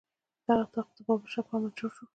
دغه طاق چې د بابر شاه په امر جوړ شو.